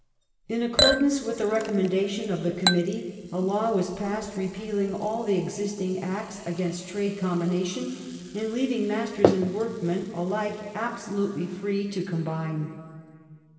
Combina In accordance with the recommendation of the Committee a of 1824 ^ ^^w ^^^ passed repealing all the existing Acts against trade com and 1825 bination, and leaving masters and workmen alike absolutely free to combine.